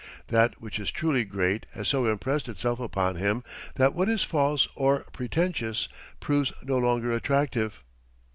That which is truly great has so impressed itself upon him that what is false or pretentious proves no longer attractive.